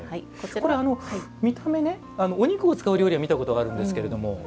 これ、見た目ねお肉を使う料理は見たことがあるんですけれども。